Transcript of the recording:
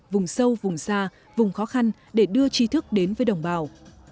vùng sâu vùng xa vùng khó khăn để đưa trí thức đến với đồng bào